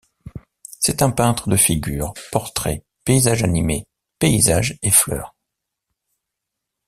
C'est un peintre de figures, portraits, paysages animés, paysages et fleurs.